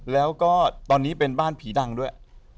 แล้วก็ตอนนี้เป็นบ้านผีดังด้วย